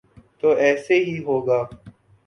تو ایسے ہی ہوگا۔